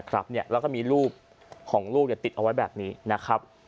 แล้วก็มีรูปของลูกติดเอาไว้แบบนี้นะครับ